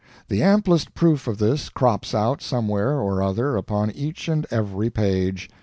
The amplest proof of this crops out somewhere or other upon each and every page.